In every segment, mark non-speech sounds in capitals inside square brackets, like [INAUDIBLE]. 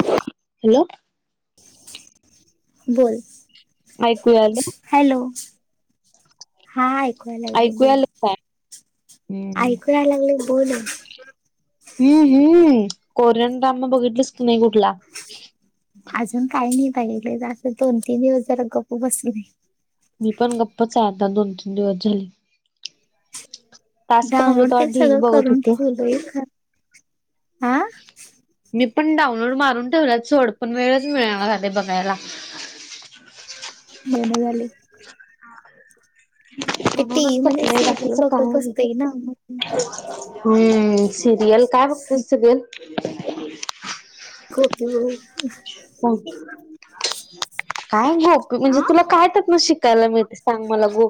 Hello. बोल. ऐकू यायला? हॅलो हायत. कू यायला ऐकू बोल आलं काय हम्म ऐकू यायला हो बोल. [UNINTELLIGIBLE] हम्म हम्म कोरियन ड्रामा बघीतलास की काय कुठला? अजून काही नाही पाहिले जसं दोन तीन दिवस जरा गप्प बसले. मी पण गप्पच आहे आता दोन तीन दिवस झाले. टास्क नव्हतं डाउनलोड तेव्हा ते ढीग सगळं बघत करून होतो ठेवलंय हां. मी पण डाऊनलोड मारून ठेवलाय सोड पण वेळच मिळेना झाले बघायला. जेवणं झाले. ते टीव्ही म्हणूनच मध्ये करते मी सिरियल बाकीचा बघत काय नाय. बसतोय ना मग हम्म सिरियल काय बघतेस सिरियल? गोपी बहू हम्म काय गोपी म्हणजे आ तुला काय त्यातनं शिकायला मिळते. सांग मला गो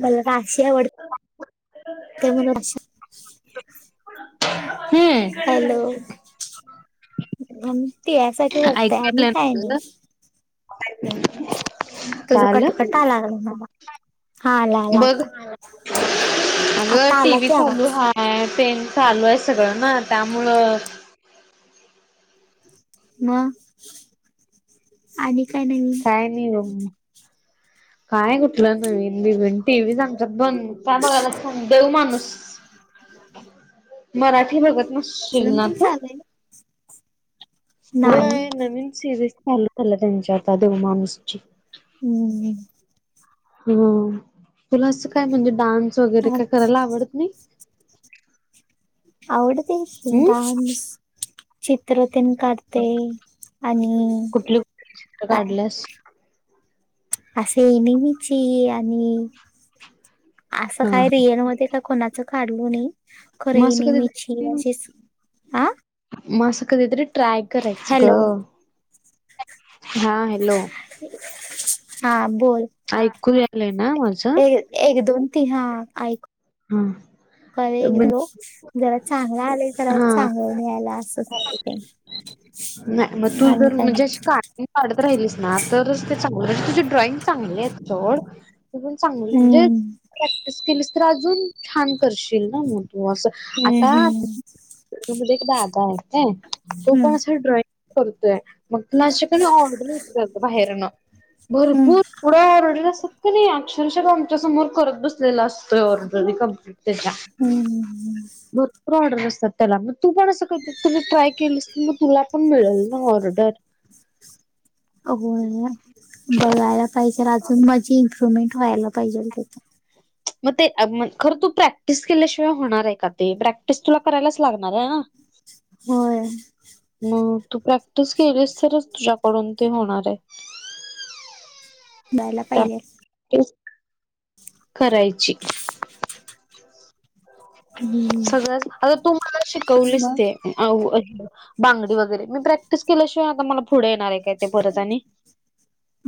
बला राशी आवडते. [UNINTELLIGIBLE] हम्म. आम्ही त्यासाठी बघतय ऐकू आणि आलं काय नाही. ना तुझं [UNINTELLIGIBLE] तुझा काय कटकट आलं आला लागला मला हा आला आला आता. बघ अगं आता टी आला व्ही की चालू आवाज आहे पेन चालू आहे सगळं ना त्यामुळं म आणि काय नवीन? नी वम काय कुठलं [UNINTELLIGIBLE] टी व्ही सांग चा बन त्यामुळं [UNINTELLIGIBLE] देव माणूस मराठी बघत उस श्री सगळं पण नाथ चालू आहे नाही होय नवीन सिरीज चालू झाला त्यांच्या आता देवमाणूसची. हम्म. हम्म तुला असं काय म्हणजे डान्स वगैरे काय करायला आवडत नाही? आवडतेच की हम्म डान्स चित्रतेन काढ ते आणि कुठली कुठली चित्र काय काढल्यास असे एनमीचे ये आणि असं हा काय हा रियल मध्ये काय कोणा चा काढले नाही खरे मग असं एनिमिचे असेच आं म असं कधीतरी ट्राय करायचं ग हॅलो हा हॅलो. हा बोल. ऐकू आलंय ना माझं? एक एक दोन तीन हा ऐकू. हा म्हण [UNINTELLIGIBLE] जरा चांगला आले जरा हा चांगलं मिळायला असं झालय ते. नाय म तू आणि जर काय नाही. म्हणजे शिक काढत राहिलीस ना तरच ते चांगलं तुझी ड्रॉइंग चांगली आहे सोड. ते पण चांगली म्हणजे हम्म प्रॅक्टिस केलीस तर अजून छान करशील ना मग तू असं आता हम्म हम्म म्हणजे एक दादा आहेत काय तो पण असं ड्रॉइंग करतोय. मग कुणाशे पण ऑर्डर होेतात बाहेरनं हम्म भरपूर पुढं [UNINTELLIGIBLE] शक्य नाही अक्षरशः आमच्या समोर करत बसलेला असतोय ऑर्डर एका त्याच्या हम्म भर पूर ऑर्डर असतात त्याला म तू पण असं करते तुम्ही ट्राय केलीस ना मग तुला पण मिळेल ना ऑर्डर. [UNINTELLIGIBLE] बघायला पाहिजे रे अजून म व् [UNINTELLIGIBLE] खायला पाहिजे तिथं. म ते अम्म खरं तू प्रॅक्टिस केल्याशिवाय होणार आहे का ते प्रॅक्टिस तुला करायलाच लागणार हाय ना. [INAUDIBLE] होय. मग तू प्रॅक्टिस केलीस तरच तुझ्याकडून ते होणार आहे. जायला पाहिजे. प्रॅक्टिस करायची. हम्म, सगळं तू मला शिकवलीस मग ते बांगडी. मी प्रॅक्टिस केल्याशिवाय आता मला पुढे येणार आहे काय ते परत आणि.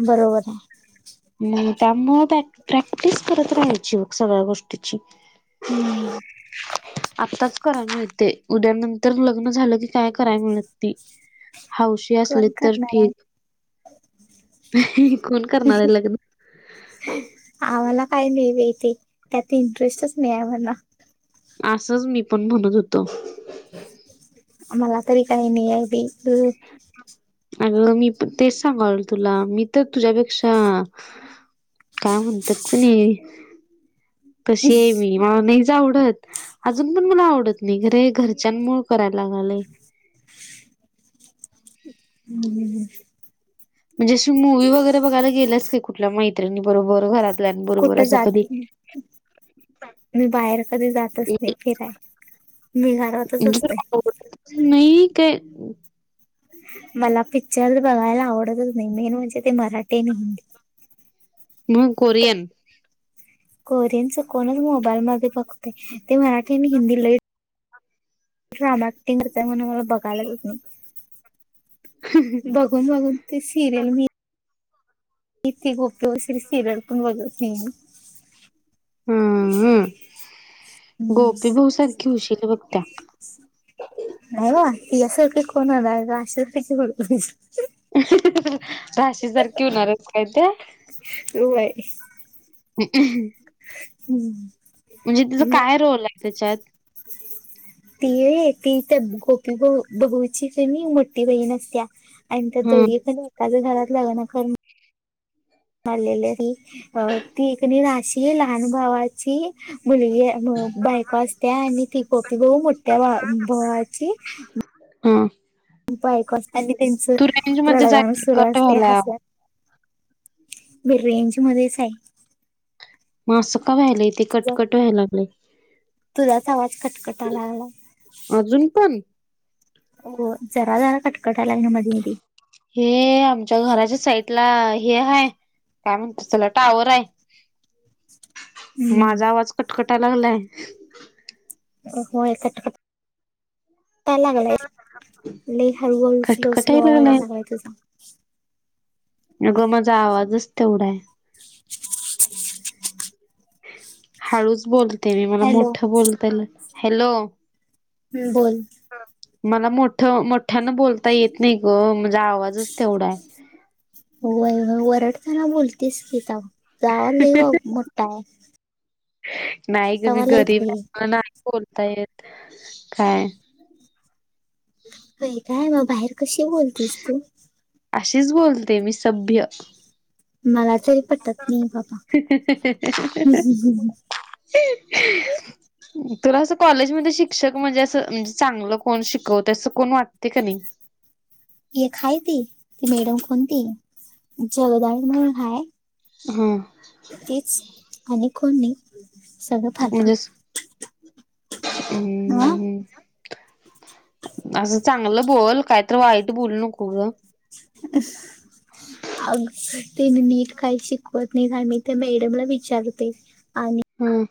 बरोबर आहे. त्यामुळे प्रॅक्टिस करत राहायचे सगळ्या गोष्टीची. हम्म. [INAUDIBLE] आत्ताच करायला मिळते उद्या नंतर लग्न झालं की काय करायला मिळत नाही. हाौशी असली कोण तर करणार आहे ठीक कोण करणार आहे लग्न. आम्हाला काय नाही बे ते त्यात इंटरेस्ट नाही आम्हाला. असंच मी पण म्हणत होतो. आमला तरी काही नाही आहे बी तू. अगं मी पण तेच सांगायलोय तुला मी तर तुझ्यापेक्षा काय म्हणतात की नाही कशी आहे मी. नाहीच आवडत अजून पण मला आवडत नाही खरे घरच्यां मूळ करायला लागाले. हम्. म्हणजे असं मूवी वगैरे बघायला गेलंस काय कुठल्या मैत्रिणीबरोबर घरात कुठे जात नाही. मी बाहेर कधी जातच नाही फिराय मी घरातच म्हणजे असतय. नाही काय. मला पिक्चर बघायला आवडतच नाही मेन म्हणजे ते मराठी आणि हिंदी. मग कोरियन. कोरियन च कोणच मोबाईल मध्ये बघतय ते मराठी आणि हिंदी लई ड्रामा ऍक्टिंग करत म्हण मला बघायलाच होत नाही बघ. बघून बघून ते सिरियल मी. ती सिरीयल पण बघत नाही. हम्म मी. गोपी बहू तुळशीच बघत्या. [UNINTELLIGIBLE] राशीसारखी होणार आहेस काय त्या. व्हय. ह. हम्म. म्हणजे तूजा काय रोल आहे त्याच्यात. ती ती त्या गोपी ब बहुची कणी मोठी बहीणसत्या. आणि त्या हम्म दोघी पण एकाद घरात लागवणार ख आलेली त अ ती एकणी नाशी लहान भावाची. मुलगी आण बायको असते आणि ती. गोपी बहू मोठ्या भावाची. हा. बायको असता त्यांचं रड मध्ये जा गाणं की सुरू कट असतय व्हायला हसल्या मी रेंज मध्येच आहे. म आसं का व्हायलय तेे तुझा कटकट व्हाय लागलेय. तुझाच आवाज कटकटा लागलाय. अजून पण? हो, जरा वेळा कटकटालाय ना मधी मधी. हे आमच्या घराच्या साईटला हे हाय काय म्हणतात तेला टावर आय. माझा हम्म आवाज कटकटाय लागलाय? होय कटकट टा लागलंय, लय हळूहळू स्लो स्लो आवाज या लागलाय तुझा. अ ग माझा आवाजच तेवढा हाय. [INAUDIBLE] हळूच बोलते मी मला हॅलो मोठं बोलतेल हॅलो बोल. मला मोठ मोठ्यान बोलता येत नाही ग माझा आवाजच तेवढा आय. होय ग वरडताना बोलतीस की तवा, तुझा आवाज लय मोठा हाय. नाही ग मी गरीब ते हाय, मला नाही बोलता येत, काय? होय काय, म बाहेर कशी बोलतीस तू? आशीच बोलते मी सभ्य. मला तर पटत नाही बाबा. [INAUDIBLE] तूला असं कॉलेजमध्ये शिक्षक म्हणजे असं म्हणजे चांगलं कोण शिकवतय असं कोण वाटते का नाही? एक हाय ती ती मॅडम कोण ती जगदाळे म्हणून हाय हम. तीच आणि कोण नाही, सगळं फालतू म्हणजे अस हा हम्म. आसं चांगलं बोल, काय तर वाईट बोलू नको ग. [INAUDIBLE] अ तेन नीट काही शिकवत नाहीत आम्ही त्या मॅडमला विचारते, आणि हम्म.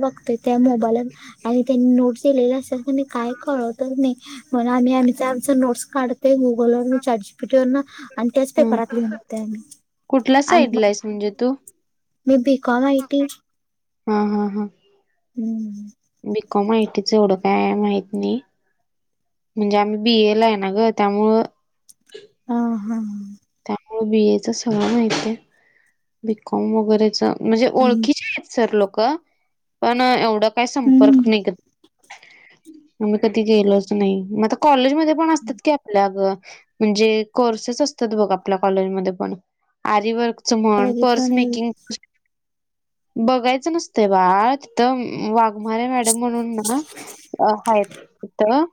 बघतोय त्या मोबाईलवर आणि त्यांनी नोट्स दिलेल्या असत्यात कणी काय कळत तर नाही, म्हणून आम्ही आमच आमच नोट्स काढतोय गुगलवरन, चॅट जी पी टी वरण आणि तेच हा पेपरात लिहून येतोय आम्ही. कुठल्या आणि साईड ला मग आहेस म्हणजे तू? मी बी कॉम आय टी. हं हं हं. हम्म. बी कॉम आय टी च एवढं काय माहीत नाही म्हणजे आम्ही बी ए ला आहे ना ग, त्यामुळ हम ह. त्यामुळं बी ए सगळं माहिती हाय, बी कॉम वगैरेच म्हणजे ओळखीचे आहेत सर लोक, पण एवढं काय संपर्क हम्म नाही, मी कधी गेलोच नाही, म आता कॉलेज म ते पण असत्यात की आपल्या ग, म्हणजे कोर्सेस असत्यात बघ आपल्या कॉलेज मध्ये पण आरीवर्क च म्हण, पर्स बघितलं नाही मेकिंग बघायचं नसतं बाळा तिथं वाघमारे मॅडम म्हणून ना. अ हाय तिथं.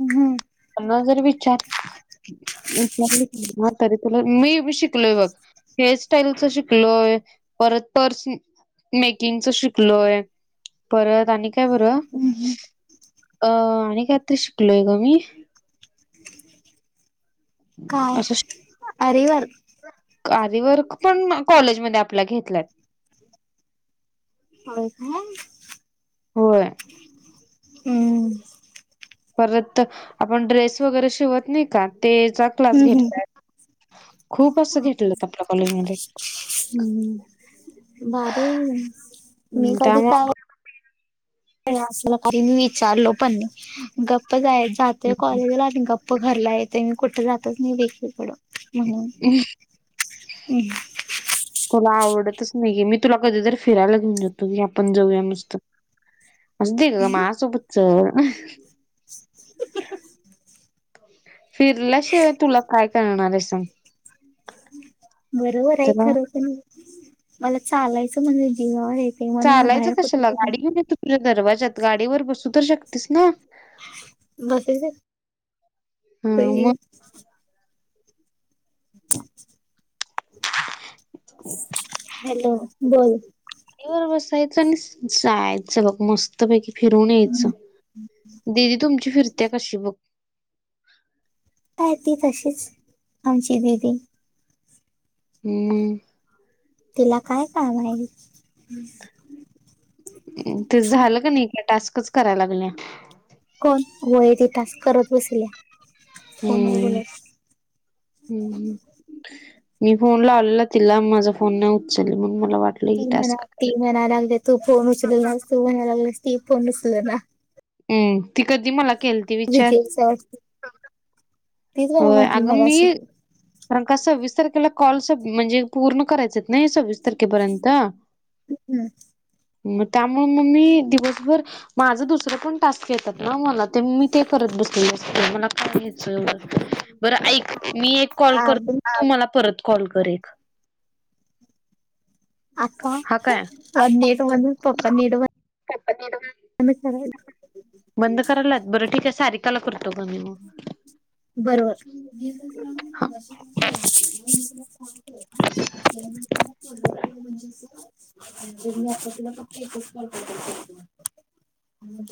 हम्म. त्यांना जर विचार [UNINTELLIGIBLE] तरी तुला मी शिकलोय बघ. हेअर स्टाईलचं शिकलोय परत परस मेकिंग च शिकलोय परत आणिक् काय बर अ आणि काय तर शिकलोय ग मी. काय अरीवर कारीवर्क पण कॉलेजमध्ये आपल्या घेतल्यात. होय काय होय हम्म. परत आपण ड्रेस वगैरे शिवत नाई का तेचा क्लास घेतला. खूप असं घेतलंत आपल्या कॉलेज मध्ये. भारीय मी कधी काय असंल कारी मी विचारलो पण नी गप्प जाय जातेय त्यामुळे कॉलेजला आणि गप्प -प्प घरला येतेन कुठ जातंच नी एकीकडं म्हणून म. तुला आवडतंच नाई की मी तुला कधीतरी फिरायला घेऊन जातो की आपण जाऊया मस्त. अगदी ग माआ सोबत च [UNINTELLIGIBLE] फिरल्याशिवाय तुला काय कळणारे सांग. बरोबराय त्याला खरं पण मला चालायचं म्हणजे जीवावर येत् चालायचं कशाला गाडी घेऊन येत तुझ्या दरवाजात गाडीवर बसू तर शकतेस ना. बसू शक ते. मग [UNINTELLIGIBLE] हा. [UNINTELLIGIBLE] हॅलो बोल. गाडीवर बसायचं आणि जायचं बघ मस्त. पैकी फिरून यायचं दिदी तुमची फिरत्या कशी बघ. आय ती तशीच आमची दिदी. हम्म. तिला काय कामाय? ते झालं का नई का टास्कच कराय लागल्या. कोण होय ती टास्क करत बसल्या फोनवर हम्म बोलत. हम्म हुं. मी फोन लावलेला तिला माझा फोन नाय उचलला म्हणून मला वाट तीन महिना ती महिना लागले तू फोन उचल नास तू महिय लागलास ती फोन उचल ना. हम्म ती कधी मला केल विजयचाय व्हय अगं मी मगाशी कारण का सव्वीस तारखेला कॉल सब म्हणजे पूर्ण करायचेत ना हे सव्वीस तारखेपर्यंत. हम्म हम्म. म त्यामुळं म मी दिवसभर माझं दुसरं पण टास्कं येतात ना मला ते मी ते करत बसलेलं असते मला काय ह्याचं एवढं बरं ऐक मी एक कॉल आ करतो अन् तू मला परत कॉल कर एक. आता हा काय प नेट बंद पप्पा नेट बंद [UNINTELLIGIBLE] [UNINTELLIGIBLE] बंद करायलात? बरं ठीक आहे सारिकाला करतो ग मी म. बरोबर. हा. [INAUDIBLE] [INAUDIBLE]